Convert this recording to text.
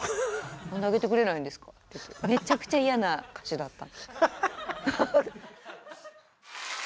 「なんで上げてくれないんですか？」ってめちゃくちゃ嫌な歌手だった。